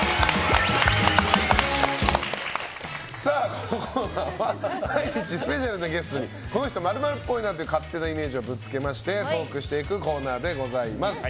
このコーナーは毎日スペシャルなゲストにこの人○○っぽいという勝手なイメージをぶつけてトークしていくコーナーでございます。